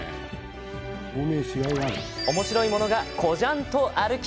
おもしろいものがこじゃんとあるき。